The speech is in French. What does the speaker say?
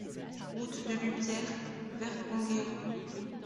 Route de Lubières, Vergongheon